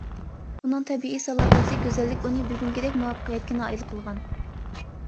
ئۇنىڭ تەبىئىي، سالاپەتلىك، گۈزەللىك ئۇنى بۈگۈنكىدەك مۇۋەپپەقىيەتكە نائىل قىلغان.